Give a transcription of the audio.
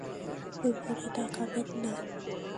উপরে তাকাবেন না!